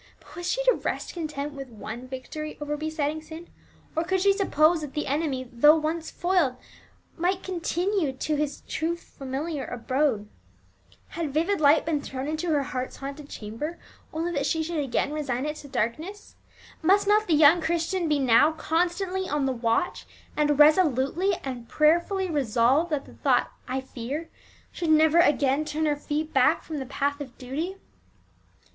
But was she to rest content with one victory over besetting sin, or could she suppose that the enemy, though once foiled, would not perpetually be returning to his too familiar abode? Had vivid light been thrown into her heart's haunted chamber, only that she should again resign it to darkness? Must not the young Christian be now constantly on the watch, and resolutely and prayerfully resolve that the thought "I fear" should never again turn her feet back from the path of duty?